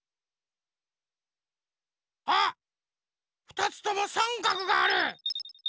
あっ２つともさんかくがある！